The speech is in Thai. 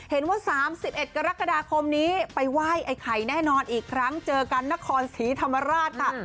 เห็นว่า๓๑กรกฎาคมนี้ไปไหว้ไอ้ไข่แน่นอนอีกครั้งเจอกันนครศรีธรรมราชค่ะ